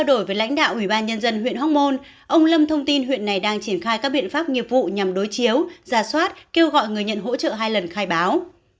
đạo ủy ban nhân dân huyện hoc mon ông lâm thông tin huyện này đang triển khai các biện pháp nghiệp vụ nhằm đối chiếu giả soát kêu gọi người nhận hỗ trợ hai lần khai báo